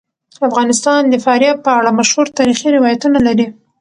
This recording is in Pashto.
افغانستان د فاریاب په اړه مشهور تاریخی روایتونه لري.